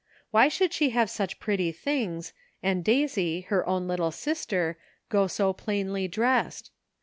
Why should she have such pretty things, and Daisy, her own little sister, go so plainly dressed